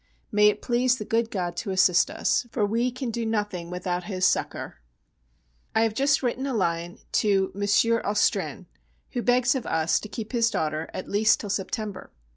May it please the good God to assist us, for we can do nothing without His succour. I have just written a line to M. Austrain, who begs of us to keep his daughter at least till September.